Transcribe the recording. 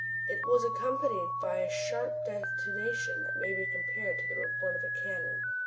It was accompanied by a sharp detonation that may be compared to the report of a cannon.